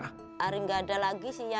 hari nggak ada lagi sih ya enak